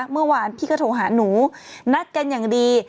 เมื่อวานพี่ก็โทรหาหนูนัดกันอย่างดี